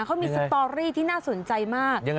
เขามีสตอรี่ที่น่าสนใจมาก